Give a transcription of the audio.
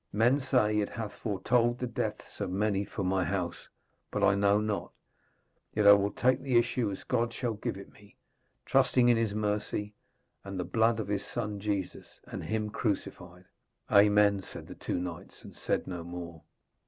Men say it hath foretold the deaths of many of my house, but I know not. Yet will I take the issue as God shall give it me, trusting in His mercy and the blood of His Son Jesus, and Him crucified.' 'Amen,' said the two knights, and said no more.